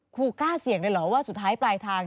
ครูกล้าเสี่ยงเลยเหรอว่าสุดท้ายปลายทาง